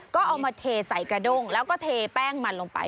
ก็เอามาเทใส่กระด้งแล้วก็เทแป้งมันลงไป